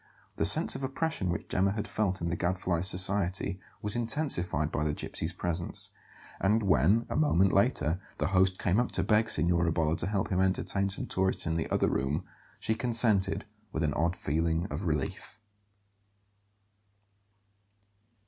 The sense of oppression which Gemma had felt in the Gadfly's society was intensified by the gypsy's presence; and when, a moment later, the host came up to beg Signora Bolla to help him entertain some tourists in the other room, she consented with an odd feeling of relief.